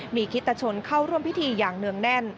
มีคิตชนเข้าร่วมพิธีอย่างเนื่องแน่น